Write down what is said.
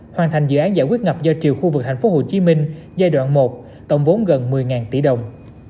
hoàn thành dự án giải quyết ngập do triều khu vực tp hcm giai đoạn một tổng vốn gần một mươi tỷ đồng